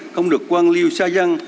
không được quang lưu xa dân